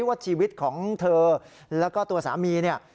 ว่าชีวิตของเธอแล้วก็ตัวสามีเนี่ย